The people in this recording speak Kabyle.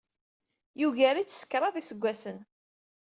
Yugar-itt s kraḍ n yiseggasen.